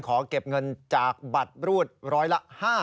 ขอเก็บเงินจากบัตรรูดร้อยละ๕๐